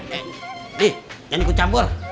nih jangan ikut campur